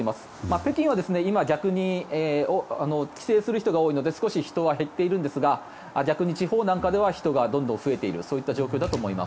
北京は今、逆に帰省する人が多いので少し人は減っているんですが逆に地方なんかでは人がどんどん増えているそういった状況だと思います。